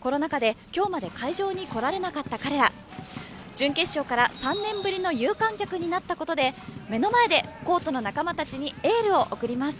コロナ禍で今日まで会場に来られなかった彼ら準決勝から３年ぶりの有観客になったことで目の前でコートの仲間たちにエールを送ります。